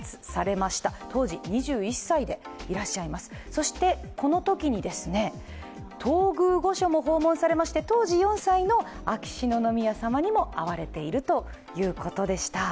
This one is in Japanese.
そしてこのときに東宮御所も訪問されまして当時４歳の秋篠宮さまにも会われているということでした。